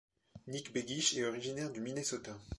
Nick Begich est originaire du Minnesota.